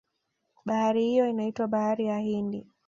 bahari hiyo inaitwa bahari ya hindi